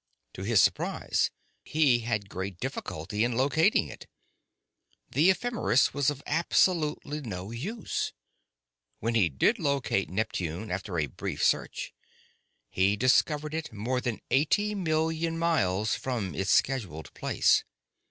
To his surprise, he had great difficulty in locating it. The ephemeris was of absolutely no use. When he did locate Neptune after a brief search, he discovered it more than eighty million miles from its scheduled place!